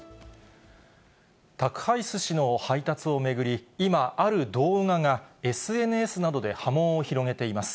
宅配すしの配達を巡り、今、ある動画がＳＮＳなどで波紋を広げています。